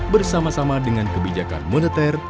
bersama sama dengan kebijakan moneter